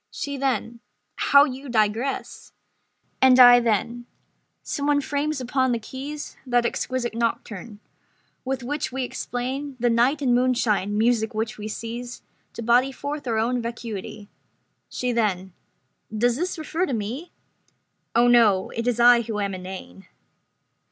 She then: "How you digress!" And I then: "Some one frames upon the keys That exquisite nocturne, with which we explain The night and moonshine; music which we seize To body forth our own vacuity." She then: "Does this refer to me?" "Oh no, it is I who am inane."